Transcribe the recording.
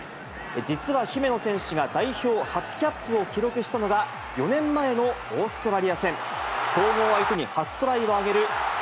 実は姫野選手が代表初キャップを記録したのが４年前のオーストラリア戦。